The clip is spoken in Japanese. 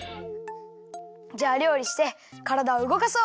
じゃありょうりしてからだをうごかそう！